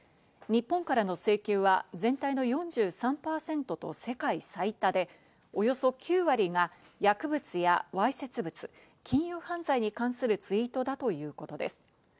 日本からの請求は全体の４３％と世界最多でおよそ９割が薬物やわいせつ物、金融犯罪に関するツイートだということです。